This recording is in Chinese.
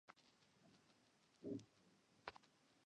三宝是佛教的教法和证法的核心。